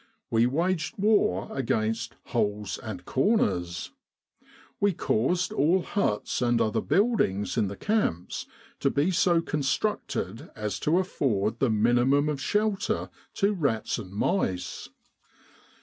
We waged war against "holes and corners." We caused all huts and other buildings in the camps to be so constructed as to afford the minimum of shelter to rats and mice.